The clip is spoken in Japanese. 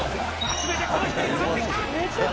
すべてこの人にかかってきた。